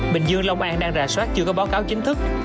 bình dương long an đang rà soát chưa có báo cáo chính thức